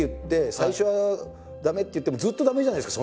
最初は「駄目」って言ってもうずっと「駄目」じゃないですか